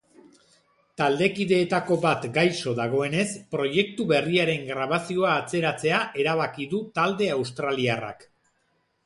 Taldekideetako bat gaixo dagoenez, proiektu berriaren grabazioa atzeratzea erabaki du talde australiarrak.